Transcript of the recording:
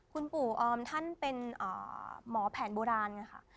คุณปู่ออมท่านเป็นหมอแผนโบราณไงค่ะ